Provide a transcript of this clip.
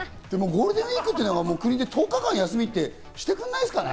ゴールデンウイークっていうのが、国で１０日間休みとかしてくれないですかね？